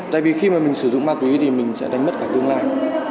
tại vì khi mà mình sử dụng ma túy thì mình sẽ đánh mất cả tương lai